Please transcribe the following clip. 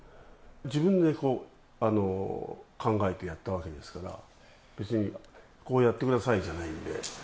自分で考えてやったわけですから、別にこうやってくださいじゃないんで。